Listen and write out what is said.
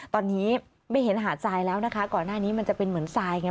ตอนนี้ไม่เห็นหาดทรายแล้วนะคะก่อนหน้านี้มันจะเป็นเหมือนทรายไง